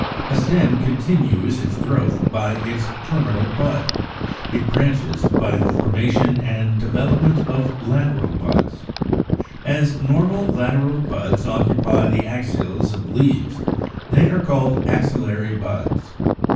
A stem continues its growth by its terminal bud; it branches by the formation and development of lateral buds. As normal lateral buds occupy the axils of leaves, they are called axillary buds.